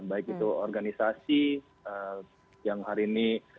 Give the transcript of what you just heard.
baik itu organisasi yang hari ini